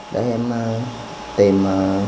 để em tìm